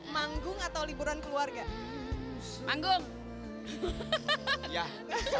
manggung atau liburan keluarga